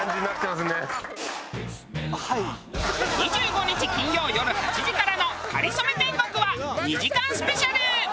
２５日金曜よる８時からの『かりそめ天国』は２時間スペシャル！